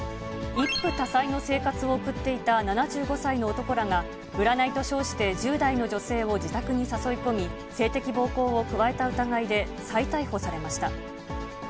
一夫多妻の生活を送っていた、７５歳の男らが、占いと称して１０代の女性を自宅に誘い込み、性的暴行を加えた疑いで再逮捕されました。